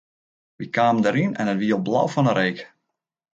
Wy kamen deryn en it wie al blau fan 'e reek.